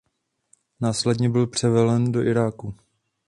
Následně byl převelen do Iráku.